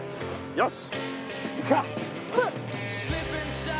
よし。